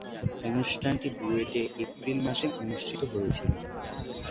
অনুষ্ঠানটি বুয়েটে এপ্রিল মাসে অনুষ্ঠিত হয়েছিলো।